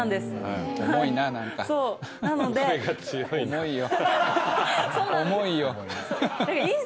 重いよ